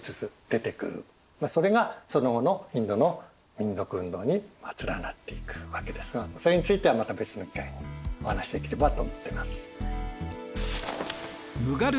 それがその後のインドの民族運動につながっていくわけですがそれについてはまた別の機会にお話しできればと思っています。